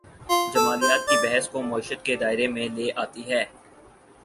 جمالیات کی بحث کو معیشت کے دائرے میں لے آتی ہے۔